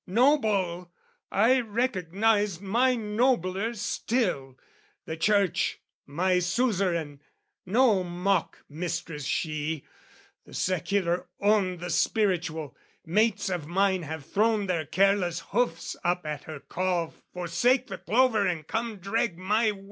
Noble, I recognised my nobler still, The church, my suzerain; no mock mistress, she; The secular owned the spiritual: mates of mine Have thrown their careless hoofs up at her call "Forsake the clover and come drag my wain!"